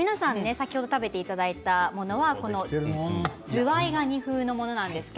先ほど食べていただいたものズワイガニ風のものでした。